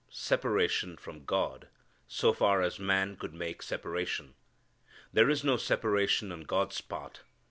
Separation from God, so far as man could make separation. There is no separation on God's part.